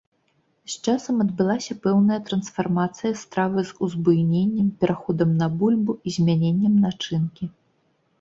З часам адбылася пэўная трансфармацыя стравы з узбуйненнем, пераходам на бульбу і змяненнем начынкі.